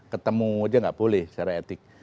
ketemu aja nggak boleh secara etik